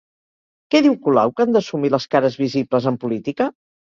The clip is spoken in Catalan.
Què diu Colau que han d'assumir les cares visibles en política?